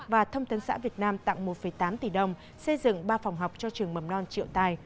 và thông tấn xã việt nam tặng một tám tỷ đồng xây dựng ba phòng học cho trường mầm non triệu tài